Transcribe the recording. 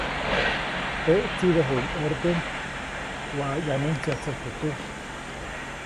Teʼ tsiʼdäjuʼuŋ ʼorden waʼ ʼyanuntsyatsäjku tuj.